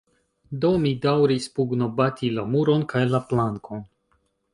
Do, mi daŭris pugnobati la muron, kaj la plankon.